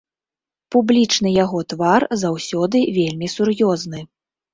Публічны ягоны твар заўсёды вельмі сур'ёзны.